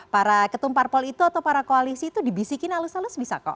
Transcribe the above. para ketum parpol itu atau para koalisi itu dibisikin alus alus bisa kok